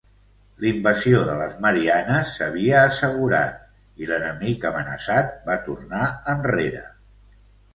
L'invasió de les Mariannes s'havia assegurat i l'enemic amenaçat va tornar enrere.